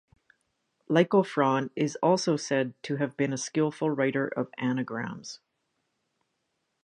Lycophron is also said to have been a skilful writer of anagrams.